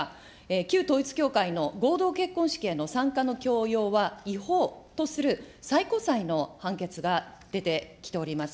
旧統一教会の合同結婚式への参加の強要は違法とする、最高裁の判決が出てきております。